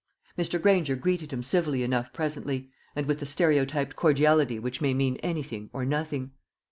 Mr. Granger greeted him civilly enough presently, and with the stereotyped cordiality which may mean anything or nothing.